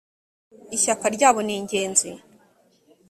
ishyaka ryabo ningenzi.